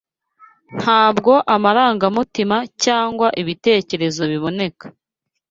Ntabwo amarangamutima cyangwa ibitekerezo biboneka